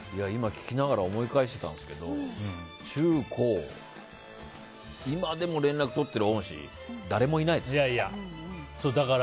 今、聞きながら思い返していたんですけど中高、今でも連絡取ってる恩師誰もいないです。